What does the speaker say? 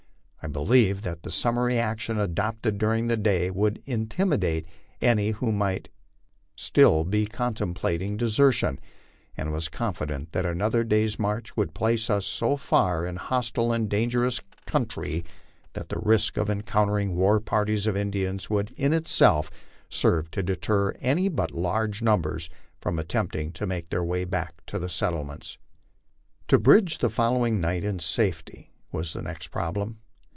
I believed that the summary action adopted during the day would intimidate any who might still be contemplating desertion, and was confident that another day's march would place us so far in a hostile and dan gerous country, that the risk of encountering war parties of Indians would of itself serve to deter any but large numbers from attempting to make their way back to the settlements. To bridge the following night in safety was the next problem.